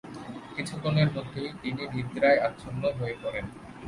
কিছুক্ষণের মধ্যেই তিনি নিদ্রায় আচ্ছন্ন হয়ে পড়েন।